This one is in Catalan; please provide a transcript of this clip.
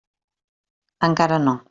Encara no.